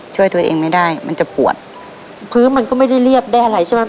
ช่วยตัวเองไม่ได้มันจะปวดพื้นมันก็ไม่ได้เรียบได้อะไรใช่ไหม